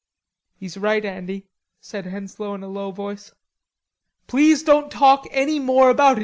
"He's right, Andy," said Henslowe in a low voice. "Please don't talk any more about it.